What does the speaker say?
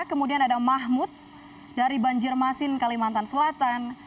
kemudian ada mahmud dari banjarmasin kalimantan selatan